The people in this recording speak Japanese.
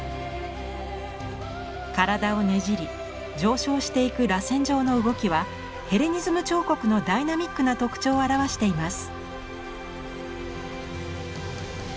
体をねじり上昇していく螺旋状の動きはヘレニズム彫刻のダイナミックな特徴を表しています。